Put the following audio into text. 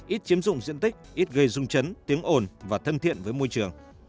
ít chiếm dụng diện tích ít gây rung chấn tiếng ồn và thân thiện với môi trường